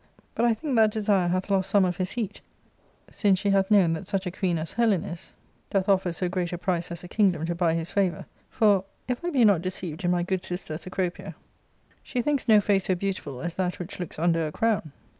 But I think that desire hath lost some of his heat since she hath known that such a queen as Helen is doth offer so great a , price as a kingdom to buy his favour ; for, if I be not deceived in my good sister Cecropia, she thinks no face so 11 beautiful as that which looks under a crown.